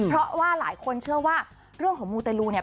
เพราะว่าหลายคนเชื่อว่าเรื่องของมูเตลูเนี่ย